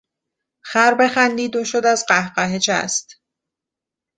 خر بخندید و شد از قهقهه چست